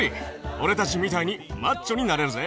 俺たちみたいにマッチョになれるぜ！